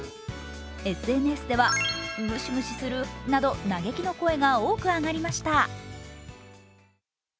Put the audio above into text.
ＳＮＳではムシムシするなど嘆きの声が多く上がりました。